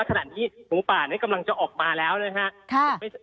ขณะนี้หมูป่ากำลังจะออกมาแล้วนะครับ